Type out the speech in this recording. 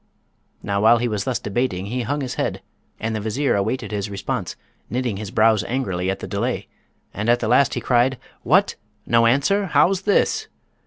Now, while he was thus debating he hung his head, and the Vizier awaited his response, knitting his brows angrily at the delay, and at the last he cried, 'What! no answer? how 's this?